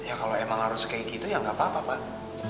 ya kalau emang harus kayak gitu ya nggak apa apa pak